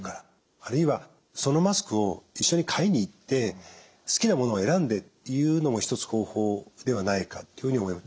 あるいはそのマスクを一緒に買いに行って好きなものを選んでっていうのも一つ方法ではないかっていうふうに思います。